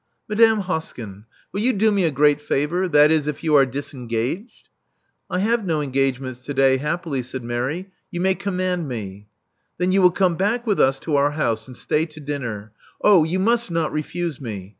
Madame Hoskyn: will you do me a ^reat favor — that is, if you are disengaged?" I have no engagements to day, happily," said Mary. You may command me." Then you will come back with us to our house, and stay to dinner. Oh, you must not refuse me.